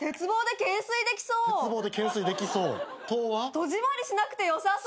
戸締まりしなくてよさそう。